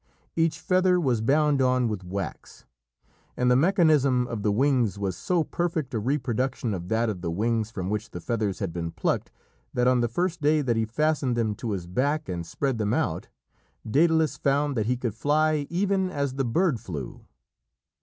Each feather was bound on with wax, and the mechanism of the wings was so perfect a reproduction of that of the wings from which the feathers had been plucked, that on the first day that he fastened them to his back and spread them out, Dædalus found that he could fly even as the bird flew.